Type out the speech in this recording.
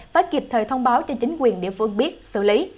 phải kịp thời thông báo cho chính quyền địa phương biết xử lý